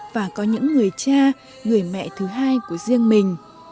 và có những người cha người mẹ thứ hai của riêng mình